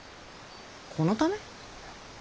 このため？